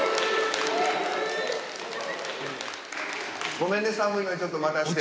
ごめんね寒いのにちょっと待たせて。